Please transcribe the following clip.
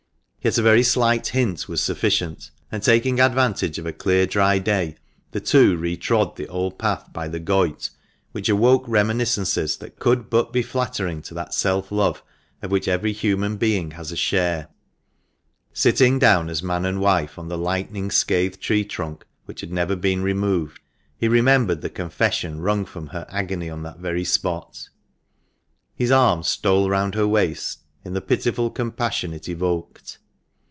Yet a very slight hint was sufficient, and, taking advantage of a clear, dry day, the two re trod the old path by the Goyt, which awoke reminiscences that could but be flattering to that self love of which every human being has a share. Sitting down as man and wife on the lightning scathed tree trunk, which had never been removed, he remembered the confession wrung from her agony on that very spot. His arm stole round her waist in the pitiful compassion it evoked.